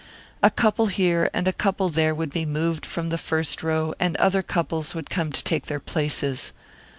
A couple here and a couple there would be moved from the first row and other couples would come to take their places.